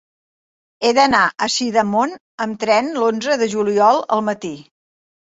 He d'anar a Sidamon amb tren l'onze de juliol al matí.